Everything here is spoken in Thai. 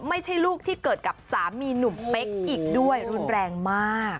ไม่ใช่ลูกที่เกิดกับสามีหนุ่มเป๊กอีกด้วยรุนแรงมาก